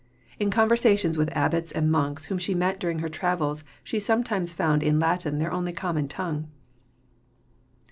In conversations with abbots and monks whom she met during her travels she sometimes found in Latin their only common tongue.